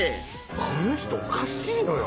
この人おかしいのよ。